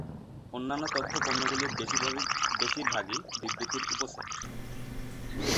অন্যান্য তথ্য পণ্যগুলির বেশিরভাগই বিবৃতির উপসেট।